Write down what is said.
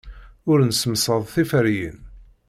Ur nessemsad tiferyin.